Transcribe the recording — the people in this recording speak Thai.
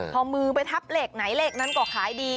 พอมือไปทับเลขไหนเลขนั้นก็ขายดี